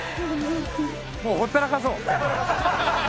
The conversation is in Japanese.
もうほったらかそう。